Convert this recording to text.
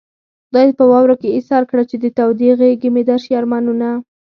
خدای دې په واورو کې ايسار کړه چې د تودې غېږې مې درشي ارمانونه